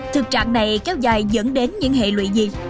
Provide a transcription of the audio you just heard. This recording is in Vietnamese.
thực trạng này kéo dài dẫn đến những hệ lụy gì